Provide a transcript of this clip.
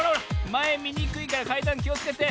まえみにくいからかいだんきをつけて。